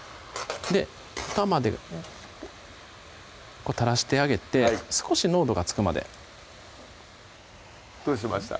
おたまで垂らしてあげて少し濃度がつくまでどうしました？